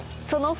そう！